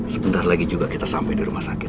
sebentar lagi juga kita sampai di rumah sakit